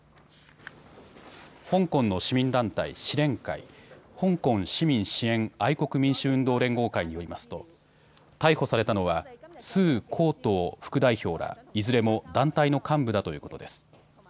香港の市民団体、支連会、香港市民支援愛国民主運動連合会によりますと逮捕されたのは鄒幸とう副代表ら、いずれも団体の幹部だということです。